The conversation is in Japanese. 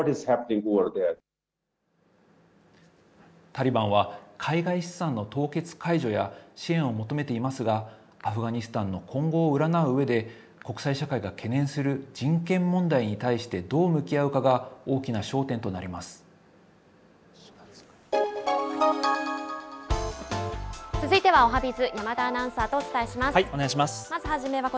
タリバンは、海外資産の凍結解除や、支援を求めていますが、アフガニスタンの今後を占ううえで、国際社会が懸念する人権問題に対してどう向き合うかが大きな焦点続いては、おはＢｉｚ。